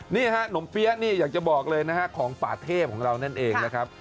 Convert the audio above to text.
นี่น้มเปี๊ยะอยากจะบอกเลยของป่าเทพของเรานั่นเองนะครับ